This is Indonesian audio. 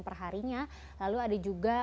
perharinya lalu ada juga